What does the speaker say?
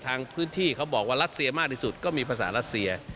ทางพื้นที่เขาบอกว่ารัสเซียมากที่สุดก็มีภาษารัสเซีย